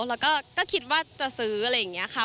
แล้วก็คิดว่าจะซื้ออะไรอย่างนี้ค่ะ